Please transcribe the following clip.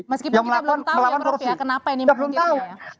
meskipun kita belum tahu ya kenapa ini menguntitnya ya